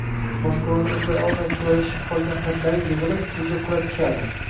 boshqaruvni eplay olmay chuvalashib qolgan patlari yig‘ilib, suvga qulab tushardi.